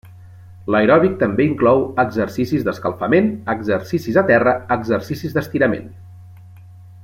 L'aeròbic també inclou exercicis d'escalfament, exercicis a terra, exercicis d'estirament.